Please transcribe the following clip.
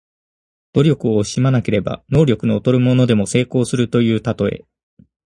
努力を惜しまなければ、能力の劣るものでも成功するというたとえ。